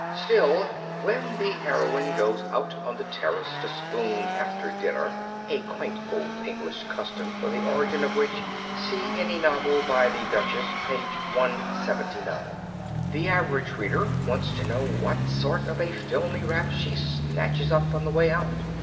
Still, when the heroine goes out on the terrace to spoon after dinner (a quaint old English custom for the origin of which see any novel by the "Duchess," page 179) the average reader wants to know what sort of a filmy wrap she snatches up on the way out.